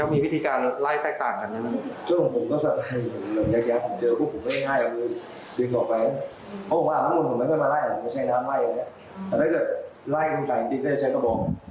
มีวิธีแก้ไงครับ